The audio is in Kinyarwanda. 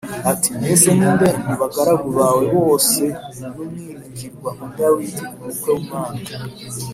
ati “Mbese ni nde mu bagaragu bawe bose w’umwiringirwa nka Dawidi umukwe w’umwami